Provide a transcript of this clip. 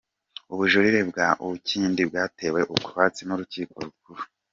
Ubujurire bwa Uwinkindi bwatewe utwatsi mu Rukiko Rukuru